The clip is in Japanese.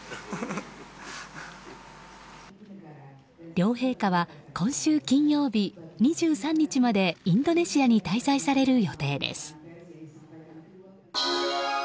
両陛下は今週金曜日２３日までインドネシアに滞在される予定です。